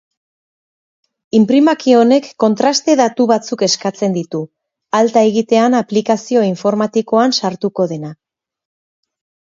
Inprimaki honek kontraste-datu batzuk eskatzen ditu, alta egitean aplikazio informatikoan sartuko dena.